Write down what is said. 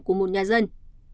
của một nhà dân